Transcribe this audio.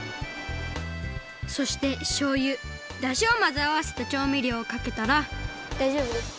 そしてしょうゆだしをまぜあわせたちょうみりょうをかけたらだいじょうぶですか？